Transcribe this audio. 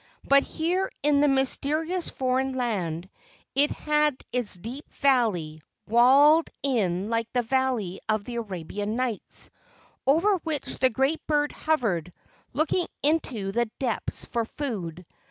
But here in the myste¬ rious foreign land it had its deep valley, walled in like the valley of the Arabian Nights, over which the great bird hovered looking into the depths for food.